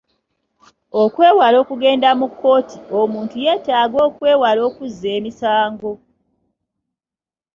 Okwewala okugenda mu kkooti omuntu yeetaaga okwewala okuzza emisango.